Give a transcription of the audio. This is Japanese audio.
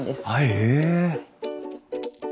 へえ。